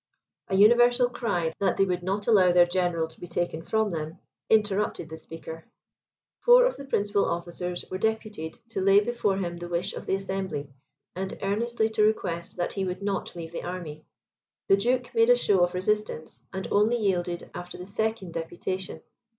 A universal cry, that they would not allow their general to be taken from them, interrupted the speaker. Four of the principal officers were deputed to lay before him the wish of the assembly, and earnestly to request that he would not leave the army. The duke made a show of resistance, and only yielded after the second deputation.